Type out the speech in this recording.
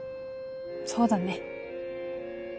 そうだね。